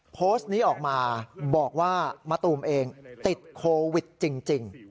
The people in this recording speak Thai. โพสต์นี้ออกมาบอกว่ามะตูมเองติดโควิดจริง